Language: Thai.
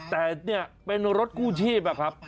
แต่เป็นรถกู้ชีพครับ